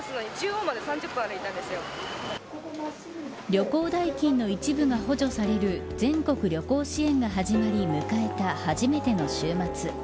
旅行代金の一部が補助される全国旅行支援が始まり迎えた初めての週末。